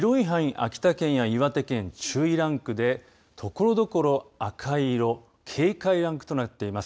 秋田県や岩手県注意ランクでところどころ赤い色警戒ランクとなっています。